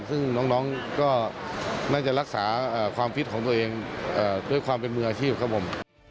ซึ่งน้องก็น่าจะรักษาความคิดของตัวเองด้วยความเป็นมืออาชีพครับผม